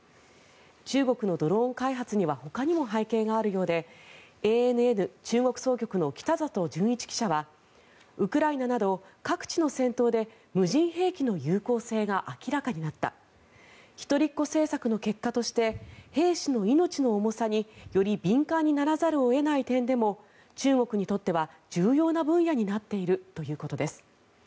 中国のドローン開発にはほかにも背景があるようでＡＮＮ中国総局の北里純一記者はウクライナなど各地の戦闘で無人兵器の有効性が明らかになった一人っ子政策の結果として兵士の命の重さにより敏感にならざるを得ない点でも中国にとっては重要な分野になっているということです。